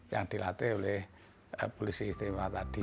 yang dilatih oleh polisi istimewa tadi